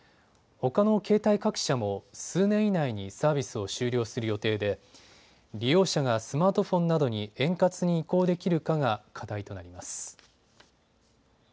ほかの携帯各社も数年以内にサービスを終了する予定で利用者がスマートフォンなどに円滑に移行できるかが課題となります。